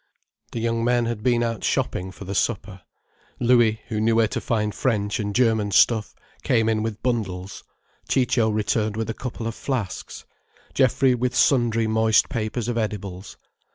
The young men had been out shopping for the supper. Louis, who knew where to find French and German stuff, came in with bundles, Ciccio returned with a couple of flasks, Geoffrey with sundry moist papers of edibles.